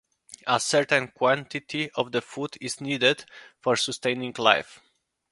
A certain quantity of the food is needed for sustaining life.